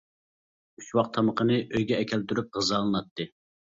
ئۈچ ۋاق تامىقىنى ئۆيىگە ئەكەلدۈرۈپ غىزالىناتتى.